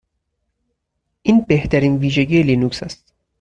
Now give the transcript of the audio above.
این بهترین ویژگی لینوکس است.